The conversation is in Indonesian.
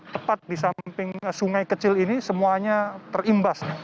tepat di samping sungai kecil ini semuanya terimbas